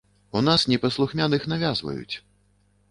У нас непаслухмяных навязваюць!